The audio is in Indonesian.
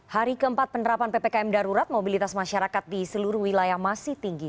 hari keempat penerapan ppkm darurat mobilitas masyarakat di seluruh wilayah masih tinggi